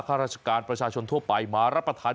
ข้าราชการประชาชนทั่วไปมารับประทาน